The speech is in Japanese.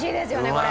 これ。